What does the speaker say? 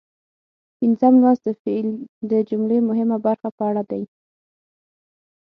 پنځم لوست د فعل د جملې مهمه برخه په اړه دی.